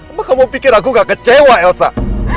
emang kamu pikir aku gak kecewa elsa